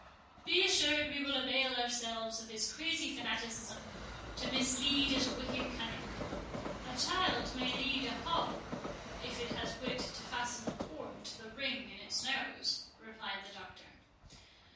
"Be assured we will avail ourselves of his crazy fanaticism to mislead his wicked cunning;—a child may lead a hog, if it has wit to fasten a cord to the ring in its nose," replied the Doctor.